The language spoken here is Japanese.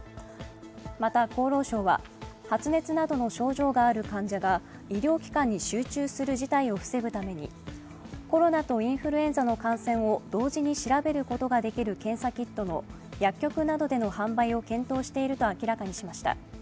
また、厚労省は発熱などの症状がある患者が医療機関に集中する事態を防ぐためにコロナとインフルエンザの感染を同時に調べることができる検査キットの薬局などでの販売を検討していると明らかにしました。